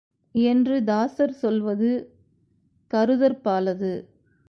என்று தாசர் சொல்வது கருதற்பாலது.